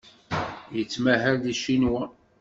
Yettmahal deg Ccinwa.